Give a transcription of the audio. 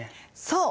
そう。